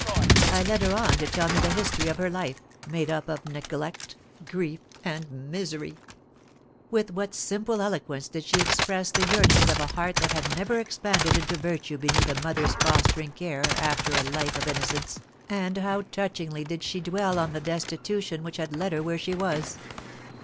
I led her on to tell me the history of her life, made up of neglect, grief, and misery. With what simple eloquence did she express the yearnings of a heart that had never expanded into virtue beneath a mother's fostering care after a life of innocence, and how touchingly did she dwell on the the destitution which had led her where she was!